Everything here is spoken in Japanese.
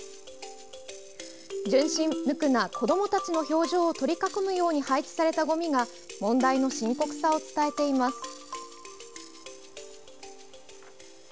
純真無垢な子どもたちの表情を取り囲むように配置されたごみが問題の深刻さを伝えています。